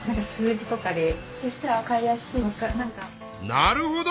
なるほど！